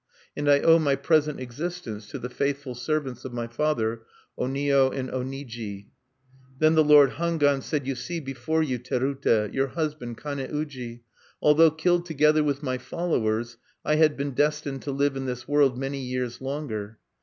And I owe my present existence to the faithful servants of my father, Onio and Oniji." Then the lord Hangwan said, "You see here before you, Terute, your husband, Kane uji. Although killed together with my followers, I had been destined to live in this world many years longer.